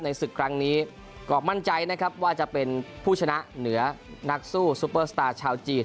ศึกครั้งนี้ก็มั่นใจนะครับว่าจะเป็นผู้ชนะเหนือนักสู้ซูเปอร์สตาร์ชาวจีน